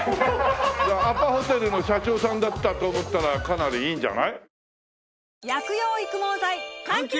アパホテルの社長さんだって思ったらかなりいいんじゃない？